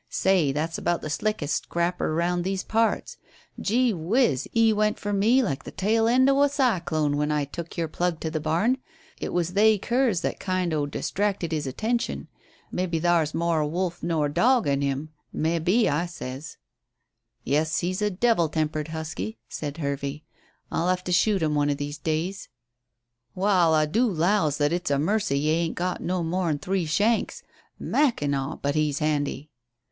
"Say, that's about the slickest scrapper round these parts. Gee whizz, 'e went fur me like the tail end o' a cyclone when I took your plug to the barn. It was they curs that kind o' distracted his attention. Mebbe thar's more wolf nor dog in him. Mebbe, I sez." "Yes, he's a devil tempered husky," said Hervey. "I'll have to shoot him one of these days." "Wa'al, I do 'lows that it's a mercy 'e ain't got no more'n three shanks. Mackinaw! but he's handy."